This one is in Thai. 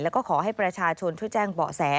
แล้วก็ขอให้ประชาชนช่วยแจ้งเบาะแส